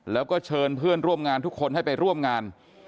แล้วก็เชิญเพื่อนร่วมงานทุกคนให้ไปร่วมงาน